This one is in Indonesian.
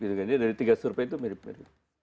dari tiga survei itu mirip mirip